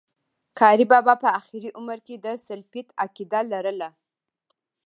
قاري بابا په آخري عمر کي د سلفيت عقيده لرله